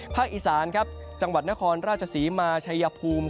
อีสานครับจังหวัดนครราชศรีมาชัยภูมิ